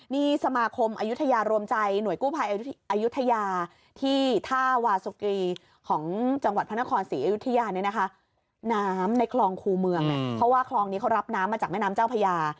นี่สมาคมอายุทยารวมใจหน่วยกู้ภัยอายุทยาที่ท่าวาสุกีของจังหวัดพระนครศรีอยุธยาเนี่ยนะคะน้ำในคลองครูเมืองเนี่ยเพราะว่าคลองนี้เขารับน้ำมาจากแม่น้ำเจ้าพญา